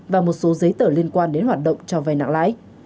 và một số giấy tờ liên quan đến hoạt động cho vay nặng lãi